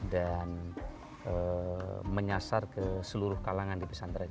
dan menyasar ke seluruh kalangan di pesantren